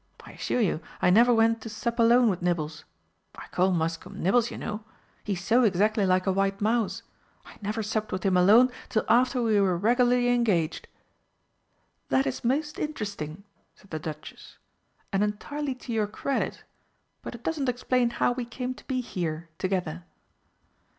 I assure you I never went to sup alone with Nibbles I call Muscombe 'Nibbles,' you know he's so exactly like a white mouse I never supped with him alone till after we were regularly engaged." "That is most interesting," said the Duchess, "and entirely to your credit, but it doesn't explain how we came to be here together."